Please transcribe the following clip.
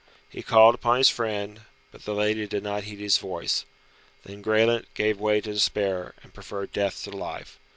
He called upon his friend, but the lady did not heed his voice. Then Graelent gave way to despair, and preferred death to life.